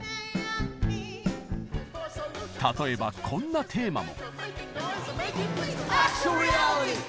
例えばこんなテーマも。